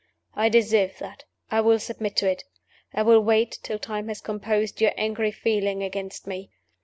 I deserve that I will submit to it; I will wait till time has composed your angry feeling against me.